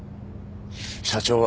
社長は。